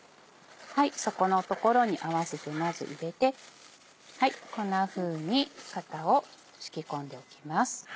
底の所に合わせてまず入れてこんなふうに型を敷き込んでおきます。